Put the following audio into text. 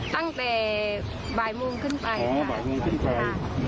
น้องทิพย์มาแต่งหน้าให้เสด็จพี่